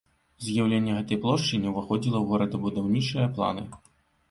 З'яўленне гэтай плошчы не ўваходзіла ў горадабудаўнічыя планы.